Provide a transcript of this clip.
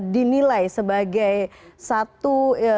dinilai sebagai satu